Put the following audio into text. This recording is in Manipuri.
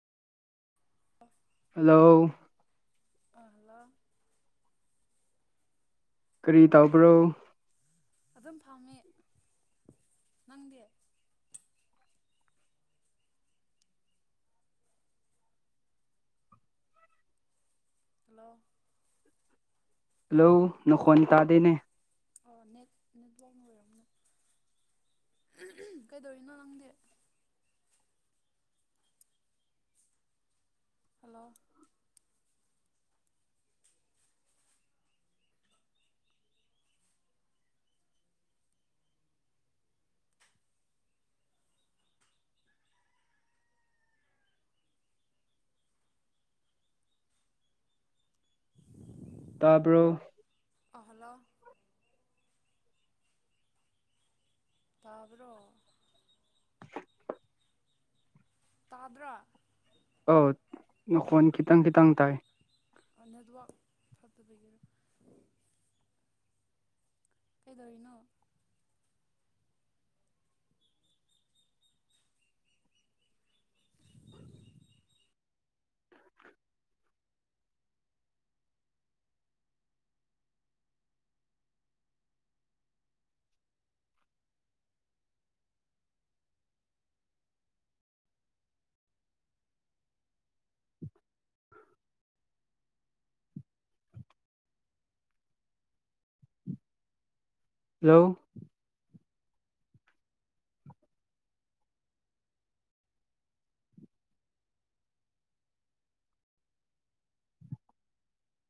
ꯍꯜꯂꯣ ꯑ ꯍꯜꯂꯣ ꯀꯔꯤ ꯇꯧꯕ꯭ꯔꯣ ꯑꯗꯨꯝ ꯐꯝꯃꯤ ꯅꯪꯗꯤ ꯍꯜꯂꯣ ꯍꯜꯂꯣ ꯅꯈꯣꯟ ꯇꯥꯗꯦꯅꯦ ꯑꯣ ꯅꯦꯠ ꯅꯦꯠꯋꯥꯛꯅ ꯑꯣꯏꯔꯝꯅꯤ ꯀꯩꯗꯧꯔꯤꯅꯣ ꯅꯪꯗꯤ ꯍꯜꯂꯣ ꯇꯥꯕ꯭ꯔꯣ ꯑ ꯍꯂꯣ ꯇꯥꯕꯔꯣ ꯇꯥꯗ꯭ꯔ ꯑ ꯅꯈꯣꯟ ꯈꯤꯇꯪ ꯈꯤꯇꯪ ꯇꯥꯏ ꯑ ꯅꯦꯠꯋꯥꯛ ꯐꯠꯇꯕꯒꯤꯔꯥ ꯀꯩꯗꯧꯔꯤꯅꯣ ꯍꯜꯂꯣ